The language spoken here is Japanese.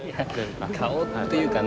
顔というかね